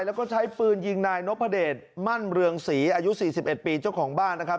แล้วก็ใช้ปืนยิงนายนพเดชมั่นเวลิ่งศรีอายุสี่สิบเอ็ดปีเจ้าของบ้านนะครับ